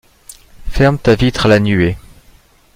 Ferme ta vitre à la nuée!